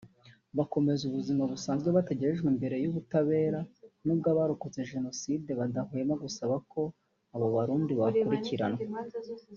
bakomeza ubuzima busanzwe batagejejwe imbere y’ubutabera nubwo Abarokotse Jenoside badahwema gusaba ko abo barundi bakurikiranwa